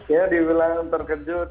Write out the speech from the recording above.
ya dibilang terkejut